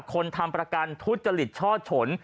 คนทำประกันทุจริตช่อฉน